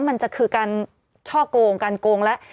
มันจะคือการช่อกงการโกงแล้ว